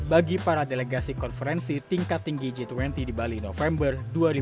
bagi para delegasi konferensi tingkat tinggi g dua puluh di bali november dua ribu dua puluh